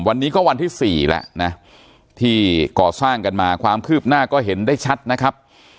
วันนี้ก็วันที่๔แล้วนะที่ก่อสร้างกันมาความคืบหน้าก็เห็นได้ชัดนะครับ